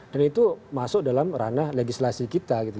dan itu masuk dalam ranah legislasi kita gitu